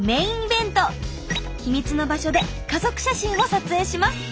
秘密の場所で家族写真を撮影します。